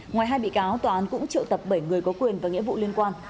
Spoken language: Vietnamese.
ngoài hai bị cáo tòa án cũng trự tập bảy người có quyền và nghĩa vụ liên quan